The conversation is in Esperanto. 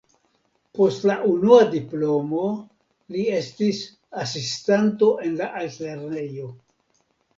Post la unua diplomo li estis asistanto en la altlernejo.